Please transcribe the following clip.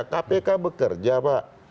kpk bekerja pak